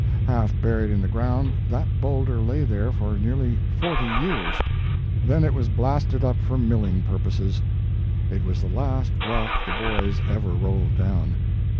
Half buried in the ground, that boulder lay there for nearly forty years; then it was blasted up for milling purposes. It was the last rock the boys ever rolled down.